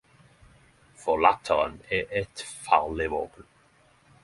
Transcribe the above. For latteren er eit farleg våpen.